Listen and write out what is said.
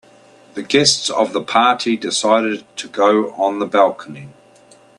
The guests of the party decided to go on the balcony.